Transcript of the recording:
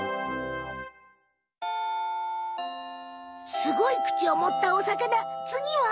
すごい口をもったおさかなつぎは？